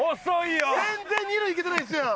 全然二塁行けてないですやん！